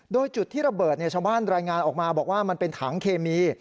โดยจุดที่ระเบิดชาวบ้านรายงานออกมาบอกว่ามันเป็นถังเคมี